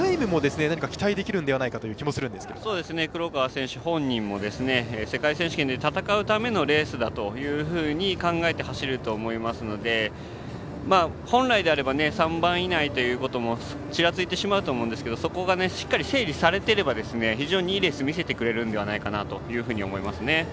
選手本人も世界選手権で戦うためのレースだというふうに考えて走ると思いますので本来であれば３番以内ということもちらついてしまうと思いますがそこがしっかり整理されていれば非常にいいレース見せてくれるのではないかなと思います。